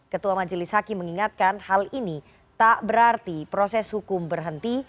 ketua majelis hakim mengingatkan hal ini tak berarti proses hukum berhenti